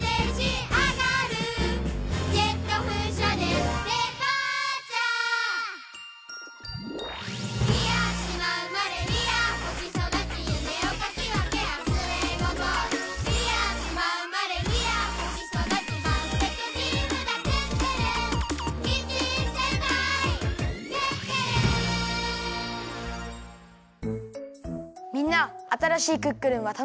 みんなあたらしい「クックルン」はたのしんでる？